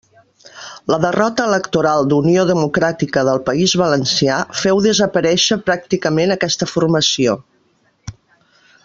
La derrota electoral d'Unió Democràtica del País Valencià féu desaparèixer pràcticament aquesta formació.